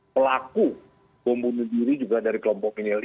pelaku pembunuh diri juga dari kelompok milenial